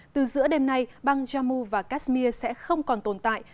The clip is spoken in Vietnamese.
từ giữa đêm nay băng jammu và kashmir sẽ không còn tồn tại